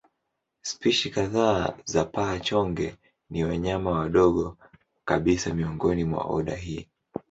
Spishi kadhaa za paa-chonge ni wanyama wadogo kabisa miongoni mwa oda hii.